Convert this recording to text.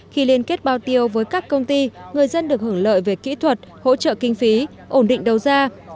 khi liên kết bao tiêu với các công ty người dân được hưởng lợi về kỹ thuật hỗ trợ kinh phí ổn định đầu ra